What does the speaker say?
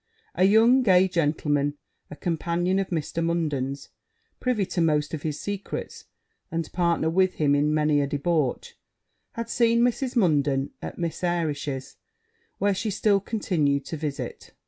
A young gay gentleman, a companion of Mr. Munden's, privy to most of his secrets, and partner with him in many a debauch, had seen Mrs. Munden at Miss Airish's, where she still continued to visit.